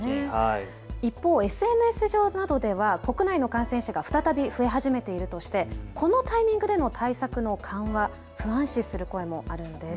一方、ＳＮＳ上などでは国内の感染者が再び増え始めているとして、このタイミングでの対策の緩和を不安視する声もあります。